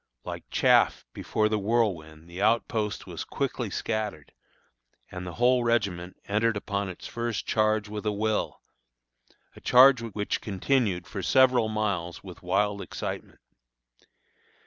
Like chaff before the whirlwind the outpost was quickly scattered, and the whole regiment entered upon its first charge with a will, a charge which continued for several miles with wild excitement.